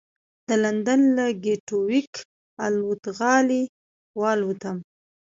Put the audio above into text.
د لندن له ګېټوېک الوتغالي والوتم.